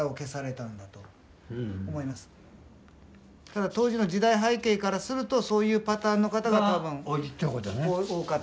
ただ当時の時代背景からするとそういうパターンの方が多分。多いっちゅうことね。